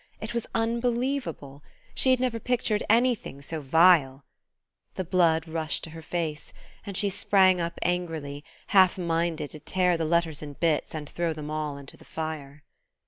It was unbelievable... she had never pictured anything so vile.... The blood rushed to her face, and she sprang up angrily, half minded to tear the letters in bits and throw them all into the fire.